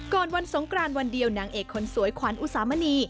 ก่อนวันสงกรานวันเดียวนางเอกคนสวยขวัญอุสามณี